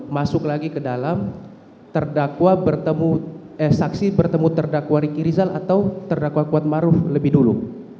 masuk lagi ke dalam terdakwa bertemu eh saksi bertemu terdakwa riki rizal atau terdakwa kuatmaruf lebih dulu